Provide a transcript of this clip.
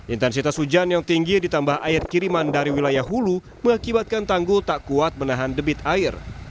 intensitas hujan yang tinggi ditambah air kiriman dari wilayah hulu mengakibatkan tanggul tak kuat menahan debit air